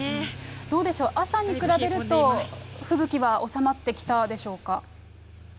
どうでしょう、朝に比べると吹雪は収まってきたでしょうか。